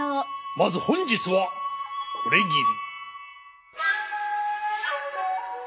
まず本日はこれぎり。